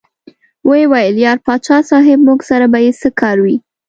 ویې ویل: یار پاچا صاحب موږ سره به یې څه کار وي.